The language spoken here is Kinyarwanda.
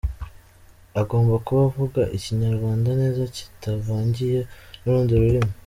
Agomba kuba avuga ikinyarwanda neza kitavangiye n’urundi rurimi.